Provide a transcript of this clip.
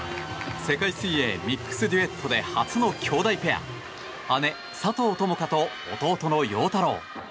世界水泳ミックスデュエットで初の姉弟ペア姉・佐藤友花と弟の陽太郎。